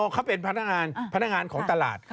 เขาเป็นพนักงานพนักงานของตลาด